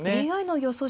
ＡＩの予想